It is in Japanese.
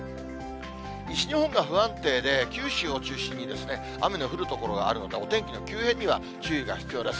西日本が不安定で、九州を中心に雨の降る所があるほか、お天気の急変には注意が必要です。